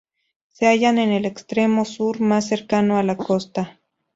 Se hallan en el extremo sur más cercano a la costa.